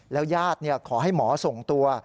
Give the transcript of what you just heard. แล้วยาดขอให้หมอส่งตัว